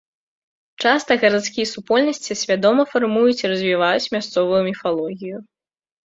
Часта гарадскія супольнасці свядома фармуюць і развіваюць мясцовую міфалогію.